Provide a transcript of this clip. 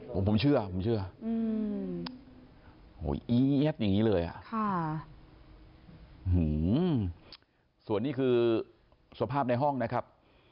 เหรอผมเชื่อผมเชื่ออืมโอ้ยอย่างงี้เลยค่ะส่วนนี้คือสภาพในห้องนะครับ